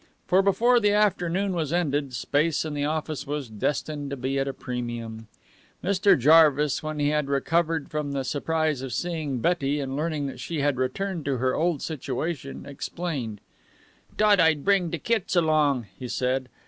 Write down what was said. For before the afternoon was ended, space in the office was destined to be at premium. Mr. Jarvis, when he had recovered from the surprise of seeing Betty and learning that she had returned to her old situation, explained: "T'ought I'd bring de kits along," he said.